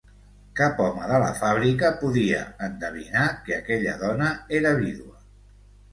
Cap home de la fàbrica podia endevinar que aquella dona era vídua.